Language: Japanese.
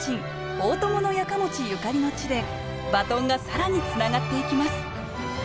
大伴家持ゆかりの地でバトンが更につながっていきます